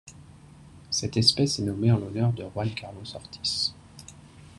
Cette espèce est nommée en l'honneur de Juan Carlos Ortiz.